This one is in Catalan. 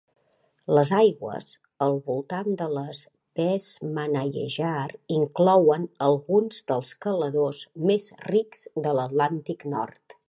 Les aigües al voltant de les Vestmannaeyjar inclouen alguns dels caladors més rics de l'Atlàntic Nord.